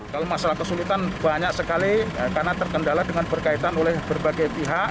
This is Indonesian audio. kalau masalah kesulitan banyak sekali karena terkendala dengan berkaitan oleh berbagai pihak